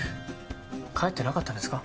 帰ってなかったんですか？